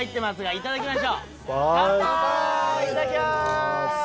いただきます！